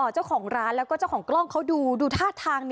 เจ้าของร้านแล้วก็เจ้าของกล้องเขาดูท่าทาง